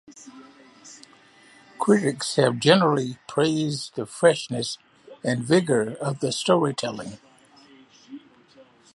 Critics have generally praised the freshness and vigor of the storytelling.